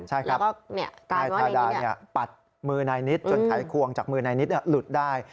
ใช่ครับนายทาดาปัดมือนายนิดจนไขควงจากมือนายนิดหลุดได้